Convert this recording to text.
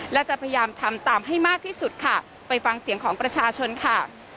และจะพยายามทำตามให้มากที่สุดค่ะไปฟังเสียงของประชาชนค่ะ